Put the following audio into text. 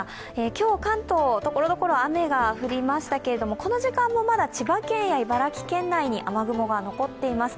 今日、関東、ところどころ雨が降りましたけど、この時間もまだ千葉県や茨城県内に雨雲が残っています。